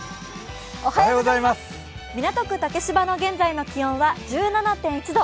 港区竹芝の現在の気温は１７．１度。